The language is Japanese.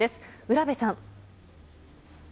占部さん。